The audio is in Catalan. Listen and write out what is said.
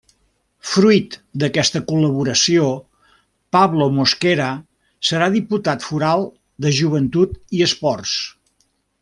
Fruit d'aquesta col·laboració Pablo Mosquera serà Diputat Foral de Joventut i Esports.